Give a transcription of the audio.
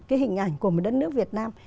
cái hình ảnh của một đất nước việt nam